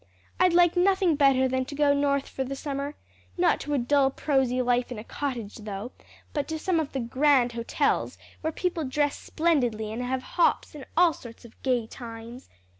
"I'd like nothing better than to go North for the summer; not to a dull, prosy life in a cottage though, but to some of the grand hotels where people dress splendidly and have hops and all sorts of gay times.